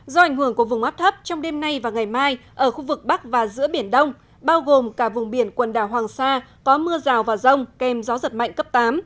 do ảnh hưởng của vùng áp thấp trong đêm nay và ngày mai ở khu vực bắc và giữa biển đông bao gồm cả vùng biển quần đảo hoàng sa có mưa rào và rông kèm gió giật mạnh cấp tám